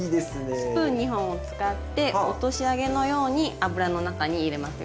スプーン２本を使って落とし揚げのように油の中に入れますよ。